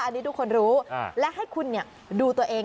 อันนี้ทุกคนรู้และให้คุณดูตัวเอง